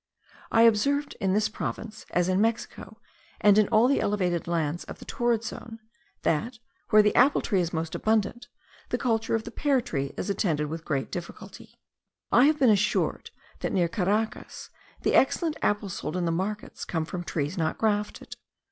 I observed in this province, as in Mexico and in all the elevated lands of the torrid zone, that, where the apple tree is most abundant, the culture of the pear tree is attended with great difficulty. I have been assured, that near Caracas the excellent apples sold in the markets come from trees not grafted.